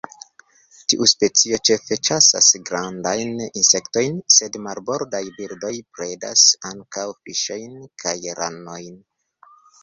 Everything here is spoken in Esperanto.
Tiu specio ĉefe ĉasas grandajn insektojn, sed marbordaj birdoj predas ankaŭ fiŝojn kaj ranojn.